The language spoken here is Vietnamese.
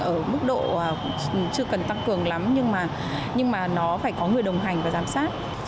ở mức độ chưa cần tăng cường lắm nhưng mà nó phải có người đồng hành và giám sát